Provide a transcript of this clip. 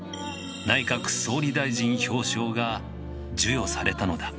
内閣総理大臣表彰が授与されたのだ。